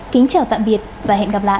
kính chào tạm biệt và hẹn gặp lại